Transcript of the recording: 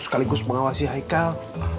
sekaligus mengawasi haikal